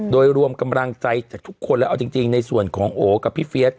โดยรวมกำลังใจจากทุกคนแล้วเอาจริงในส่วนของโอกับพี่เฟียส